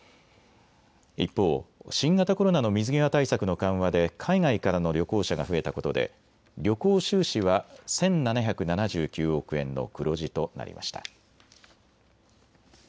一方、新型コロナの水際対策の緩和で海外からの旅行者が増えたことで旅行収支は１７７９億円の黒字となりました。